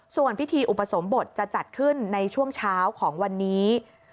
ส่วนพิธีอุปสมบทจะจัดขึ้นในช่วงเช้าของวันนี้